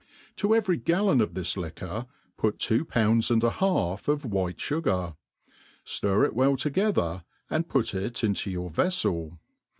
To every gallon of this liqupr, put two pounds and a half of white fu* gar, fiir it well together, and put it into your veflel.